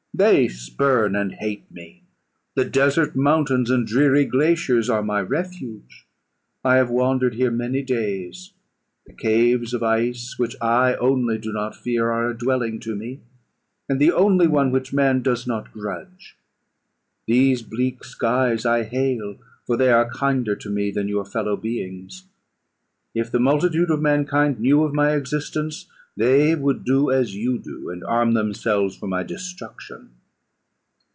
They spurn and hate me. The desert mountains and dreary glaciers are my refuge. I have wandered here many days; the caves of ice, which I only do not fear, are a dwelling to me, and the only one which man does not grudge. These bleak skies I hail, for they are kinder to me than your fellow beings. If the multitude of mankind knew of my existence, they would do as you do, and arm themselves for my destruction.